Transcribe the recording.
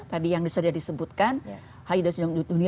tadi yang sudah disebutkan hari down syndrome di dunia